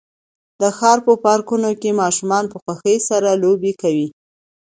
د ښار په پارکونو کې ماشومان په خوښۍ سره لوبې کوي.